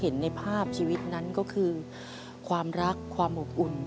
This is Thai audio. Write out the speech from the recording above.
เห็นในภาพชีวิตนั้นก็คือความรักความอบอุ่น